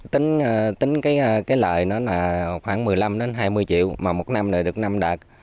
tính cái lợi nó là khoảng một mươi năm hai mươi triệu mà một năm này được năm đạt